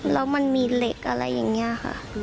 แล้วมันมีเหล็กอะไรอย่างนี้ค่ะ